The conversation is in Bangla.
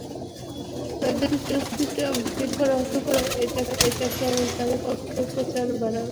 তাঁদের যুক্তি, ট্রাম্পকে নিষিদ্ধ করা হলে এটা কেবল তাঁর পক্ষেই প্রচার বাড়াবে।